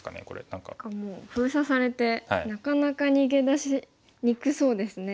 何かもう封鎖されてなかなか逃げ出しにくそうですね。